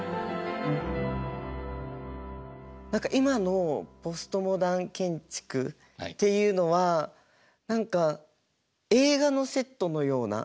何か今のポストモダン建築っていうのは何か映画のセットのような。